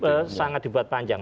prosesnya sangat dibuat panjang